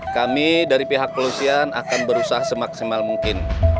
kami dari pihak kepolisian akan berusaha semaksimal mungkin